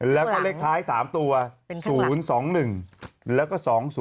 แล้วก็เลขท้าย๓ตัว๐๒๑แล้วก็๒๐๑